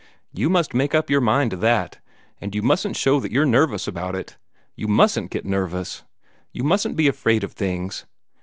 You must make up your mind to that. And you mustn't show that you're nervous about it. You mustn't get nervous! You mustn't be afraid of things.